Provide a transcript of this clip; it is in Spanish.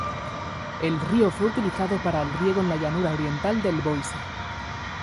El río fue utilizado para el riego en la llanura oriental de Boise.